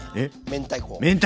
明太子！